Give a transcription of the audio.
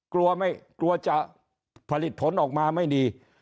กลัวจะผลิตทนออกมาไม่ดี